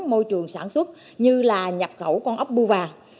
môi trường sản xuất như là nhập khẩu con ốc bưu vàng